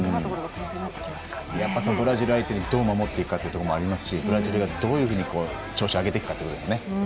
強豪国相手にどう守っていくかというところもありますしブラジルがどんなふうに調子を上げていくかということですね。